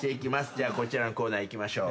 じゃあこちらのコーナーいきましょう。